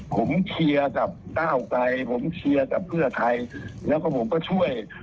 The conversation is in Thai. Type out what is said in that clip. ผมเคียร์กับก้าวไกรผมเคียร์กับเพื่อใครแล้วผมก็ช่วยว่าอันนี้